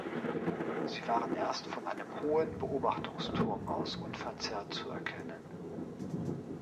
Sie waren erst von einem hohen Beobachtungsturm aus unverzerrt zu erkennen.